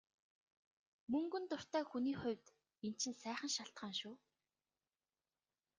Мөнгөнд дуртай хүний хувьд энэ чинь сайхан шалтгаан шүү.